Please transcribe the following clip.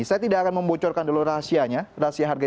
saya tidak akan membocorkan dulu rahasianya rahasia harga